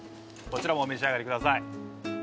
こちらもお召し上がりください。